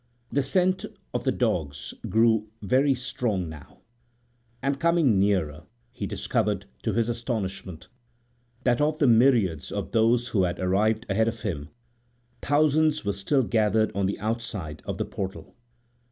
< 2 > The scent of the dogs grew very strong now, and coming nearer, he discovered, to his astonishment that of the myriads of those who had arrived ahead of him thousands were still gathered on the outside of the portal.